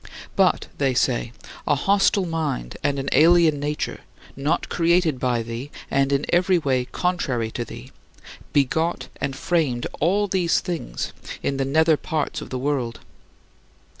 But [they say] a hostile mind and an alien nature not created by thee and in every way contrary to thee begot and framed all these things in the nether parts of the world.